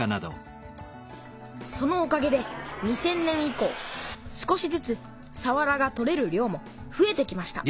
そのおかげで２０００年以こう少しずつさわらが取れる量もふえてきました